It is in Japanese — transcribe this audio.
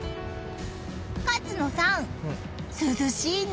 勝野さん、涼しいね。